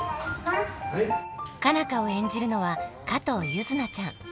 佳奈花を演じるのは加藤柚凪ちゃん。